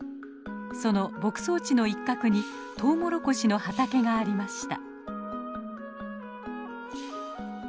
その牧草地の一角にトウモロコシの畑がありました。